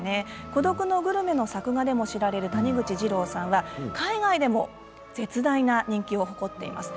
「孤独のグルメ」の作画でも知られる谷口ジローさんは海外でも絶大な人気を誇っています。